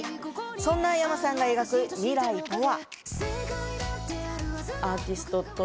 そんなｙａｍａさんが描く未来とは。